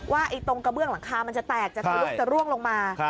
ว่าตรงกระเบื้องหลังคามันจะแตกจะทะลุจะร่วงลงมา